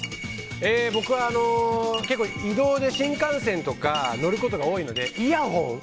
僕は結構、移動で新幹線とか乗ることが多いのでイヤホン。